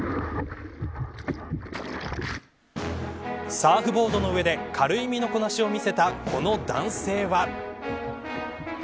サーフボードの上で軽い身のこなしを見せたこの男性は。